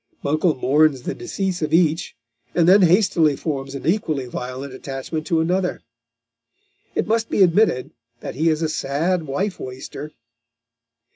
Buncle mourns the decease of each, and then hastily forms an equally violent attachment to another. It must be admitted that he is a sad wife waster.